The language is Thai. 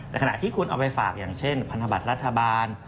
แต่ขณะที่คุณเอาไปฝากอย่างเช่นพันธบัตรรัฐบาล